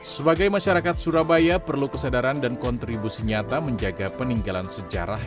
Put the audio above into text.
sebagai masyarakat surabaya perlu kesadaran dan kontribusi nyata menjaga peninggalan sejarah